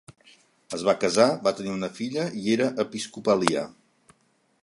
Es va casar, va tenir una filla i era episcopalià.